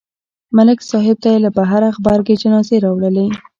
ملک صاحب ته یې له بهره غبرګې جنازې راوړلې